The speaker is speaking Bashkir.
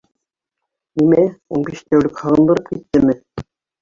Нимә, ун биш тәүлек һағындырып киттеме?